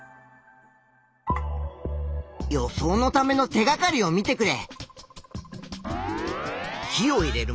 予想のための手がかりを見てくれ。